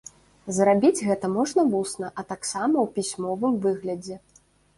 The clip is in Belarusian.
Зрабіць гэта можна вусна, а таксама ў пісьмовым выглядзе.